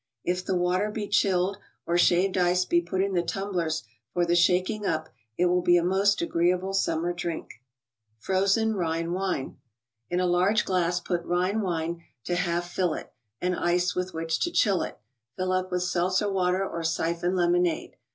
If the water be chilled or shaved ice be put in the tumblers for the shaking up, it will be a most agreeable summer drink. frozen IKIjhte Cilwc. In * large . glass p* 6 ' Rhine wine to half fill it, and ice with which, to chill it; fill up with seltzer water or siphon lemonade.